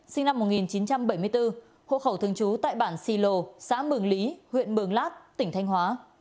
sinh năm một nghìn chín trăm bảy mươi bốn hộ khẩu thường trú tại bản xì lồ xã mường lý huyện mường lát tỉnh thanh hóa